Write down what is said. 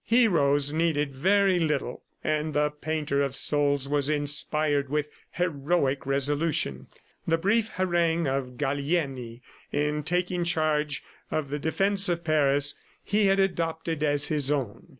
Heroes need very little and the painter of souls was inspired with heroic resolution, The brief harangue of Gallieni in taking charge of the defense of Paris, he had adopted as his own.